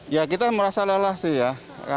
ya kita merasa lelah sih ya